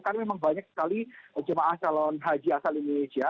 karena memang banyak sekali jemaah calon haji asal indonesia